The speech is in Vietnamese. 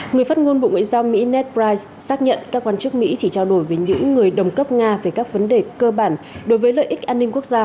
người phát ngôn bộ ngoại giao mỹ netbrise xác nhận các quan chức mỹ chỉ trao đổi với những người đồng cấp nga về các vấn đề cơ bản đối với lợi ích an ninh quốc gia